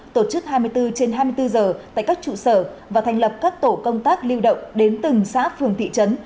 tổ chức hai mươi bốn trên hai mươi bốn giờ tại các trụ sở và thành lập các tổ công tác lưu động đến từng xã phường thị trấn